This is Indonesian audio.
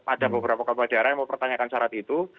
ada beberapa kabupaten daerah yang mau pertanyakan syarat itu